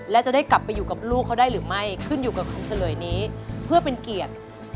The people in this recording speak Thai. และจะได้กลับไปอยู่กับลูกเขาได้หรือไม่ขึ้นอยู่กับคำเฉลยนี้เพื่อเป็นเกียรติ